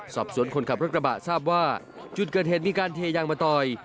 คนขับรถกระบะทราบว่าจุดเกิดเหตุมีการเทยางมะตอย